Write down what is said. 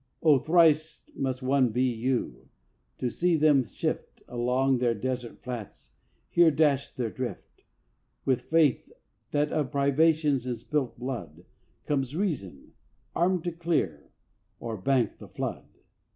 O thrice must one be you, to see them shift Along their desert flats, here dash, there drift; With faith, that of privations and spilt blood, Comes Reason armed to clear or bank the flood!